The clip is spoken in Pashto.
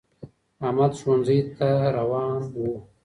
احمد ښونځی تا روان وو